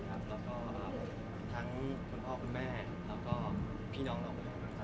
แล้วก็ทั้งคุณพ่อคุณแม่แล้วก็พี่น้องคุณพี่น้องทั้งกัน